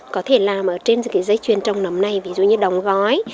có thể làm ở trên dây chuyền trồng nấm này ví dụ như đóng gói